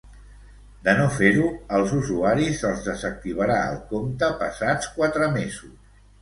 De no fer-ho, als usuaris se'ls desactivarà el compte passats quatre mesos.